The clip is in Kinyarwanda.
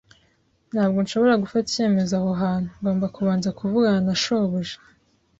Ntabwo nshobora gufata icyemezo aho hantu. Ngomba kubanza kuvugana na shobuja